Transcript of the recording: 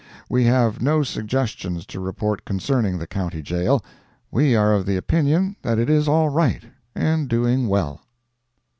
We have no suggestions to report concerning the County Jail. We are of the opinion that it is all right, and doing well.